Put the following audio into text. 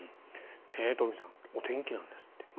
トンフィさんお天気なんですって。